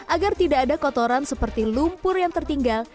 agar tidak ada kotoran seperti lumpur yang tertinggal